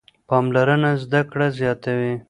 پاملرنه زده کړه زیاتوي.